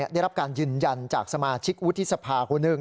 ได้รับการยืนยันจากสมาชิกวุฒิสภาคนหนึ่ง